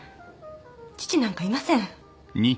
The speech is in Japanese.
父なんかいません